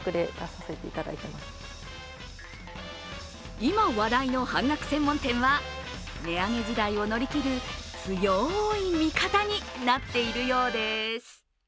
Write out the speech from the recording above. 今話題の半額専門店は値上げ時代を乗り切る強い味方になっているようです。